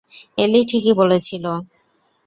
এলি ঠিকই বলেছিল।